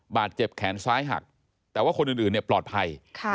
บาดเจ็บแขนซ้ายหักแต่ว่าคนอื่นปลอดภัย